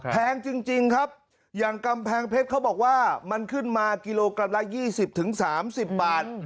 แพงจริงครับอย่างกำแพงเพชรเขาบอกว่ามันขึ้นมากิโลกรัมละ๒๐๓๐บาท